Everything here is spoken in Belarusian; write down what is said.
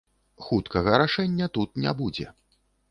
Хуткага рашэння тут не будзе.